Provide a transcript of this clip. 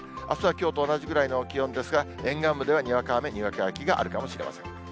あすはきょうと同じぐらいの気温ですが、沿岸部ではにわか雨、にわか雪があるかもしれません。